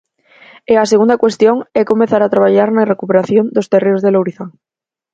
E a segunda cuestión é comezar a traballar na recuperación dos terreos de Lourizán.